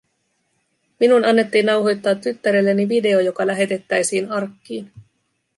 Minun annettiin nauhoittaa tyttärelleni video, joka lähetettäisiin arkkiin.